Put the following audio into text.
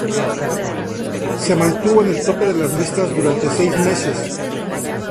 Se mantuvo en el tope de las listas durante seis meses.